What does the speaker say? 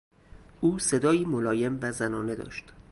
او صدایی ملایم و زنانه داشت.